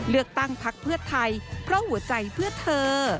เลือกตั้งพักเพื่อไทยเพราะหัวใจเพื่อเธอ